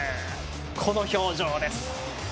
この表情です。